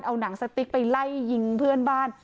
เอาหนังสติ๊กไปไล่ยิงเพื่อนบ้าน